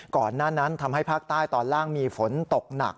ก่อนหน้านั้นทำให้ภาคใต้ตอนล่างมีฝนตกหนัก